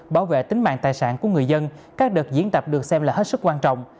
bảo vệ tính mạng tài sản của người dân các đợt diễn tập được xem là hết sức quan trọng